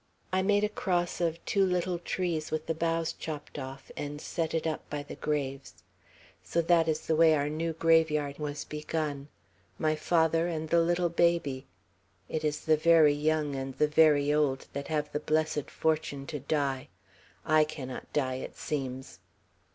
I made a cross of two little trees with the boughs chopped off, and set it up by the graves. So that is the way our new graveyard was begun, my father and the little baby; it is the very young and the very old that have the blessed fortune to die. I cannot die, it seems!"